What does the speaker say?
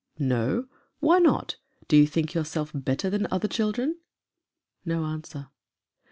" No ! Why not ? Do you think yourself better than other children ?" No answer.